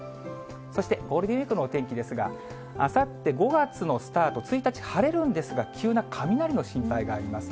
そしてゴールデンウィークのお天気ですが、あさって５月のスタート、１日、晴れるんですが、急な雷の心配があります。